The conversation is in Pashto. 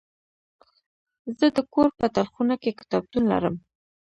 زه د کور په تلخونه کې کتابتون لرم.